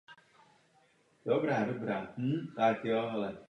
Situace politických vězňů je nesnesitelná, jak dokládá případ Michaila Chodorkovského.